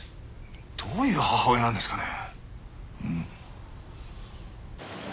どういう母親なんですかね。